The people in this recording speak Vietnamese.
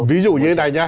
ví dụ như thế này nha